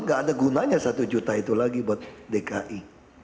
gak ada gunanya satu juta itu lagi buat dki